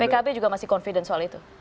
pkb juga masih confident soal itu